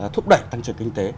thúc đẩy tăng trưởng kinh tế